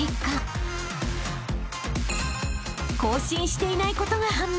［更新していないことが判明］